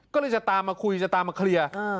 ก็เลยจะตามมาคุยจะตามมาเคลียร์